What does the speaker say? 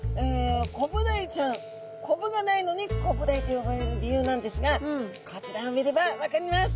コブダイちゃんコブがないのにコブダイと呼ばれる理由なんですがこちらを見れば分かります。